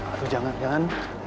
aduh jangan jangan